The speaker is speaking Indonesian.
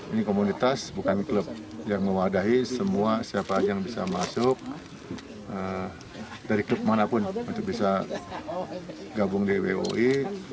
ini komunitas bukan klub yang mewadahi semua siapa aja yang bisa masuk dari klub manapun untuk bisa gabung di woi